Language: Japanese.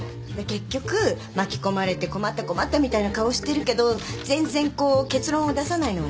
結局巻き込まれて困った困ったみたいな顔をしてるけど全然こう結論を出さないのはですね